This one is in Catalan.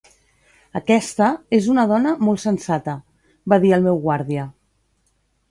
"Aquesta és una dona molt sensata" -va dir el meu guàrdia.